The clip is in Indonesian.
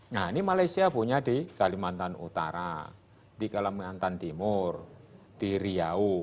nah ini malaysia punya di kalimantan utara di kalimantan timur di riau